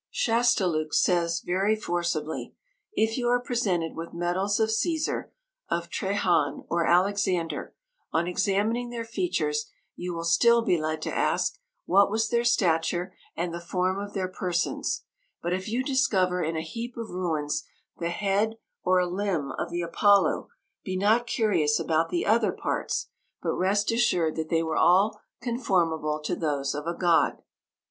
Chastellux says very forcibly, "If you are presented with medals of Cæsar, of Trajan, or Alexander, on examining their features you will still be led to ask, what was their stature and the form of their persons; but if you discover in a heap of ruins the head or a limb of the Apollo, be not curious about the other parts, but rest assured that they were all conformable to those of a god.